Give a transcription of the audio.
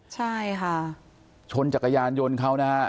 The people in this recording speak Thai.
ใช่ค่ะชนจักรยานยนต์เขานะฮะ